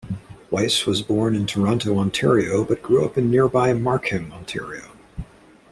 Weiss was born in Toronto, Ontario, but grew up in nearby Markham, Ontario.